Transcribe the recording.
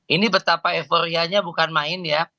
ini betapa euforianya bukan main ya